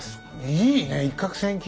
いいねえ一獲千金。